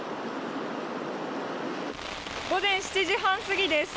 午前７時半過ぎです。